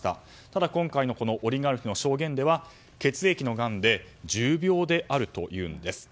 ただ今回のオリガルヒの証言では血液のがんで重病であるというんです。